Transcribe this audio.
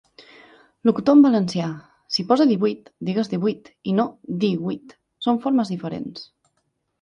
Locutor en valencià, si posa 'divuit' digues 'divuit' i no 'díhuit'. Són formes diferents.